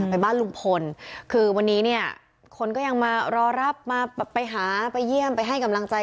ไปบ้านลุงพลคือวันนี้เนี่ยคนก็ยังมารอรับมาไปหาไปเยี่ยมไปให้กำลังใจ